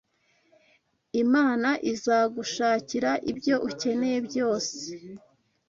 Imana izagushakira ibyo ukeneye byose